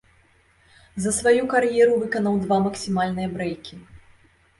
За сваю кар'еру выканаў два максімальныя брэйкі.